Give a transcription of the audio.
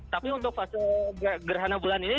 tapi untuk fase gerhana bulan ini